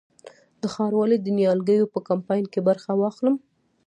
د ښاروالۍ د نیالګیو په کمپاین کې برخه واخلم؟